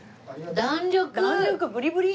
弾力ブリブリ！